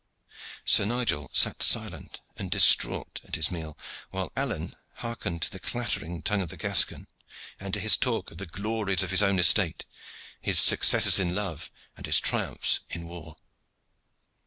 Sir Nigel sat silent and distrait at his meal, while Alleyne hearkened to the clattering tongue of the Gascon, and to his talk of the glories of his own estate, his successes in love, and his triumphs in war.